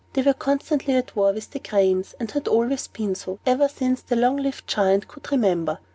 They were constantly at war with the cranes, and had always been so, ever since the long lived Giant could remember.